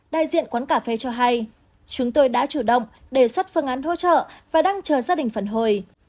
đại diện quán cà phê cho hay chúng tôi đã chủ động đề xuất phương án hỗ trợ và đang chờ gia đình phản hồi